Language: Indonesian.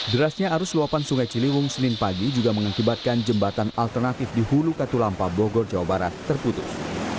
derasnya arus luapan sungai ciliwung senin pagi juga mengakibatkan jembatan alternatif di hulu katulampa bogor jawa barat terputus